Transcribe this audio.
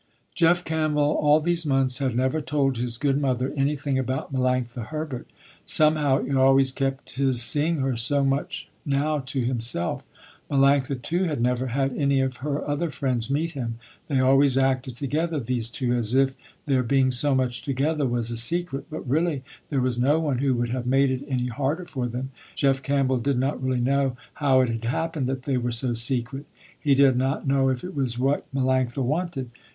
Jeff Campbell, all these months, had never told his good mother anything about Melanctha Herbert. Somehow he always kept his seeing her so much now, to himself. Melanctha too had never had any of her other friends meet him. They always acted together, these two, as if their being so much together was a secret, but really there was no one who would have made it any harder for them. Jeff Campbell did not really know how it had happened that they were so secret. He did not know if it was what Melanctha wanted.